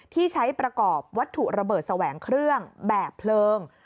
ที่ใช้ประกอบวัตถุระเบิดแสวงเครื่องแบบเพลิง